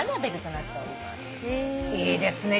いいですね